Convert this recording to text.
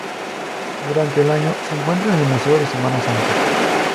Durante el año se encuentra en el Museo de Semana Santa.